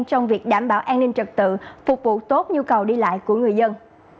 trong việc đảm bảo an ninh trật tự phục vụ tốt nhu cầu đi lại của người dân